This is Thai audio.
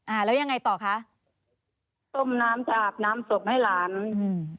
อ่าแล้วยังไงต่อคะต้มน้ำจะอาบน้ำศพให้หลานอืม